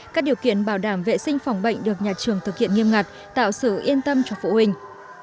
các điều kiện bảo đảm vệ sinh phòng bệnh được nhà trường thực hiện nghiêm ngặt tạo sự yên tâm cho phụ huynh